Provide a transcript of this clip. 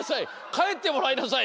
かえってもらいなさい